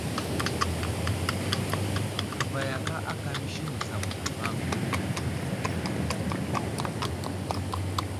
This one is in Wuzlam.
Təbayaka ákà məsi wuzam zlavaŋ.